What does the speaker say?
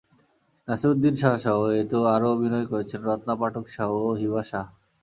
নাসিরুদ্দিন শাহসহ এতে আরও অভিনয় করছেন রত্না পাঠক শাহ ও হিবা শাহ।